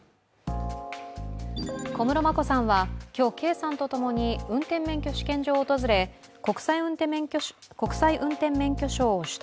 小室眞子さんは、今日圭さんとともに運転免許試験場を訪れ、国際運転免許証を取得。